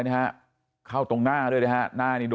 ไม่รู้ตอนไหนอะไรยังไงนะ